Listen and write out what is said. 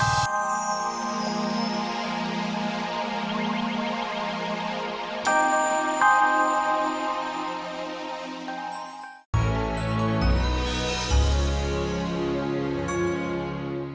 kamu yang dikasih